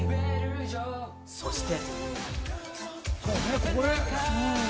そして。